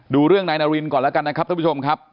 เรื่องนายนารินก่อนแล้วกันนะครับท่านผู้ชมครับ